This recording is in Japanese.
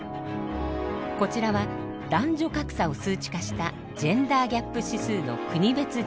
こちらは男女格差を数値化したジェンダーギャップ指数の国別順位。